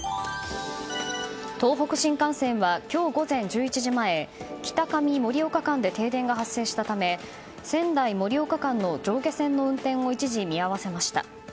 東北新幹線は今日午前１１時前北上盛岡間で停電が発生したため仙台盛岡間の上下線の運転を一時見合わせました。